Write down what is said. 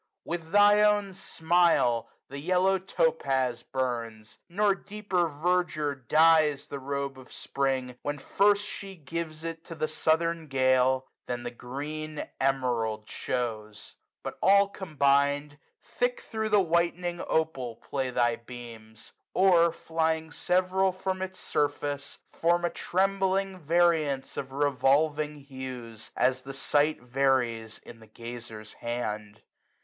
With thy own smile the yellow Topaz burns. Nor deeper verdure dyes the robe of Spring, When first she gives it to the southern gale. Than the green Emerald shows. But, all combined. Thick thro' the whitening Opal play thy beams j 156 Or, flying several from its surface, form ' A trembling variance of revolving hues. As the site varies in the gazer's hand.